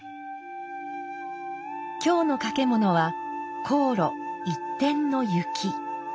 今日の掛物は「紅爐一点雪」。